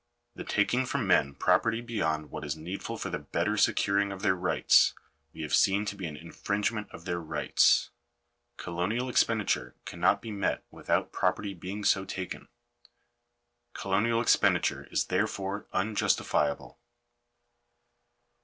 The taking from men property beyond what is needful for the better securing of their rights, we have seen to be an infringement of their rights. Colonial expenditure can* not be met without property being so taken. Colonial expen diture is therefore unjustifiable.